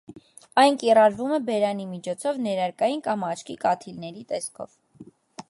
Այն կիրառվում է բերանի միջոցով, ներերակային կամ աչքի կաթիլների տեսքով։